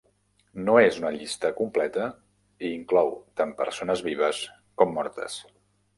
No és una llista completa i inclou tant persones vives com mortes.